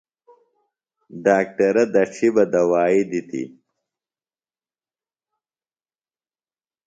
ڈاکٹرہ دڇھیۡ بہ دوائی دِتیۡ۔